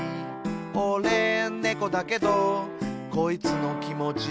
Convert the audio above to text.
「おれ、ねこだけどこいつのきもち